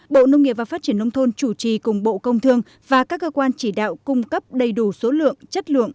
bộ nông nghiệp và phát triển nông thôn chủ trì cùng bộ công thương và các cơ quan chỉ đạo cung cấp đầy đủ số lượng chất lượng